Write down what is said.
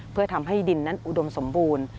เพื่อทำให้ดินนั้นอุดมสมบูรณ์